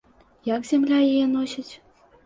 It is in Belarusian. Як зямля яе носіць?